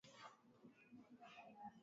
Sahani zote zimepasuka